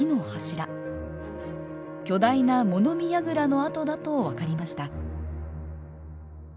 巨大な物見やぐらの跡だと分かりました。